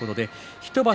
１場所